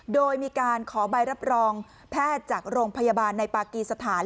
โดยมีการขอใบรับรองแพทย์จากโรงพยาบาลในปากีสถาน